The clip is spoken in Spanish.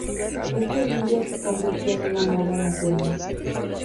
Este libro se convirtió en una moda nacional.